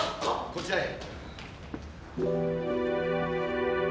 こちらへ。